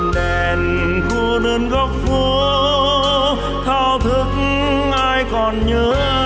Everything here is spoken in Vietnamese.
đèn khô đơn góc phố thao thức ai còn nhớ